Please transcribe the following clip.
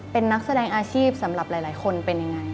เป็นนักแสดงอาชีพสำหรับหลายคนเป็นยังไง